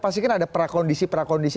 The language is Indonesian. pasti kan ada prakondisi prakondisi